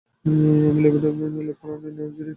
আমি Latvian leprechaun নই, Jerry.